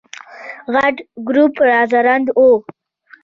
غټ ګروپ راځوړند و.